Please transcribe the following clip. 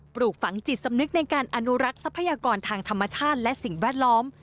ปลูกฝังจิตสำนึกในการอนุรักษ์ทรัพยากรทางธรรมชาติและสิ่งแวดล้อม